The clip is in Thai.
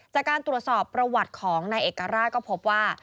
จากการตรวจสอบประวัติของนายเอกราชก็พบว่า